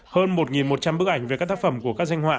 hơn một một trăm linh bức ảnh về các tác phẩm của các doanh họa